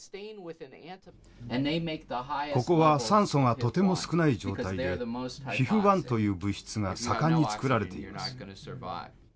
ここは酸素がとても少ない状態でＨＩＦ−１という物質が盛んにつくられています。